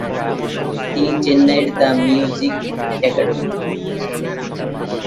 তিনি চেন্নাইয়ের the Music academy.